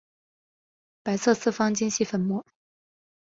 白色四方晶系粉末。